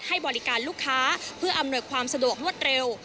ให้บริการลูกค้าเพื่ออำนวยความสะดวกรวดเร็ว